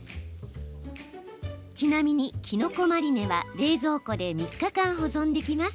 ちなみに、きのこマリネは冷蔵庫で３日間保存できます。